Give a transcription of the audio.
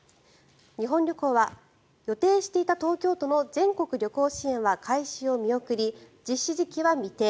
日本旅行は、予定していた東京都の全国旅行支援は開始を見送り実施時期は未定。